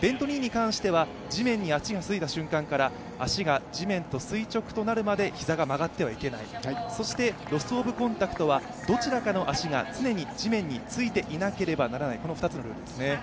ベント・ニーに関しては地面に足がついた瞬間から足が地面と垂直となるまで膝が曲がってはいけないそして、ロス・オブ・コンタクトはどちらかの足が常に地面についていなければならない、この２つのルールですね。